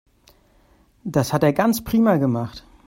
Das hat er ganz prima gemacht.